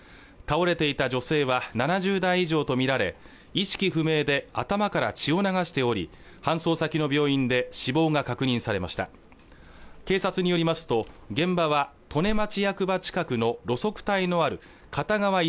倒れていた女性は７０代以上と見られ意識不明で頭から血を流しており搬送先の病院で死亡が確認されました警察によりますと現場は利根町役場近くの路側帯のある片側